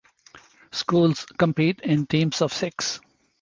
Schools compete in teams of six.